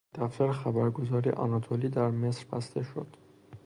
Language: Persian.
دفتر خبرگزاری آناتولی در مصر بسته شد.